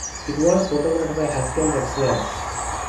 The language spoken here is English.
It was photographed by Haskell Wexler.